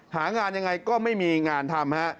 หางานอย่างไรก็ไม่มีงานทำ